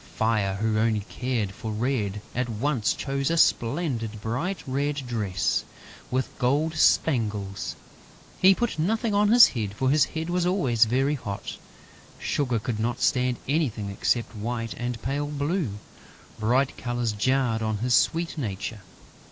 Fire, who only cared for red, at once chose a splendid bright red dress, with gold spangles. He put nothing on his head, for his head was always very hot. Sugar could not stand anything except white and pale blue: bright colors jarred on his sweet nature.